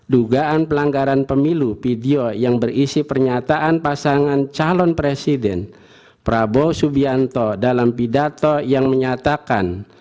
dugaan pelanggaran pemilu video yang berisi pernyataan pasangan calon presiden prabowo subianto dalam pidato yang menyatakan